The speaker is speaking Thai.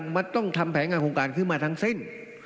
มันต้องทำแผนงานโครงการขึ้นมาทั้งสิ้น